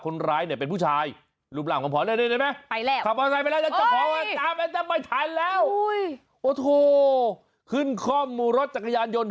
ไม่ทันแล้วโอ้โธขึ้นคล่อมรถจักรยานยนต์